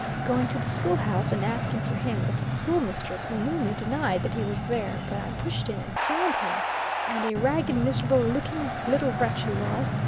Going to the schoolhouse and asking for him, the school mistress, who knew me, denied that he was there, but I pushed in, and found him, and a ragged, miserable looking little wretch he was.